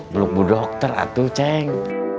peluk bu dokter atuh ceng